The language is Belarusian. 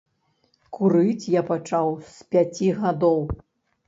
Курыць я пачаў з пяці гадоў.